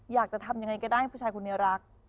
อยากจะทำยังไงก็ได้ผู้ชายคนนี้รัก